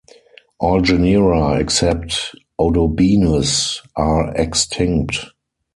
All genera, except "Odobenus", are extinct.